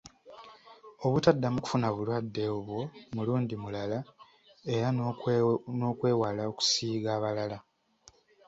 Obutaddamu kufuna bulwadde obwo mulundi mulala era n’okwewala okusiiga abalala.